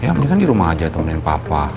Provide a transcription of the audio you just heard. ya mungkin kan di rumah aja temenin papa